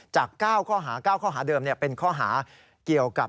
จาก๙ข้อหา๙ข้อหาเดิมเป็นข้อหาเกี่ยวกับ